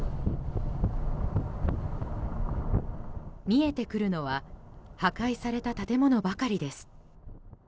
見えてくるのは破壊された建物ばかりです。